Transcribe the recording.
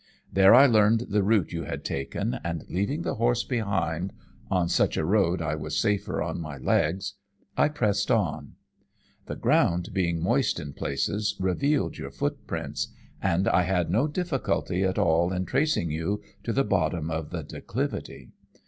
There I learned the route you had taken, and leaving the horse behind on such a road I was safer on my legs I pressed on. The ground, being moist in places, revealed your footprints, and I had no difficulty at all in tracing you to the bottom of the declivity.